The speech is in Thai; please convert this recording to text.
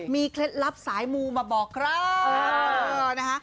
มีเคล็ดลับสายมูมาบอกครับ